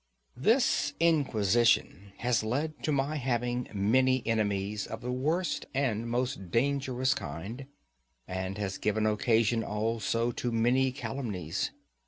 This inquisition has led to my having many enemies of the worst and most dangerous kind, and has given occasion also to many calumnies.